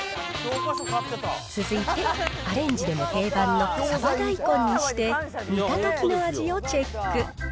続いて、アレンジでも定番のサバ大根にして、煮たときの味をチェック。